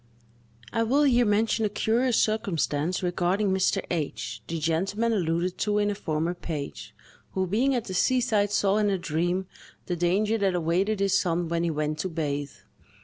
I will here mention a curious circumstance regarding Mr. H——, the gentleman alluded to in a former page, who, being at the seaside, saw, in a dream, the danger that awaited his son when he went to bathe.